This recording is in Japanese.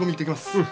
うん。